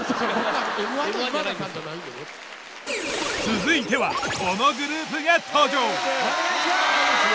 続いてはこのグループが登場！